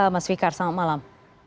mas fikar selamat malam